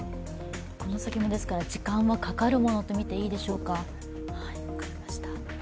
この先も時間はかかるものとみていいでしょうか、分かりました。